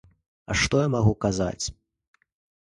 А што я магу казаць?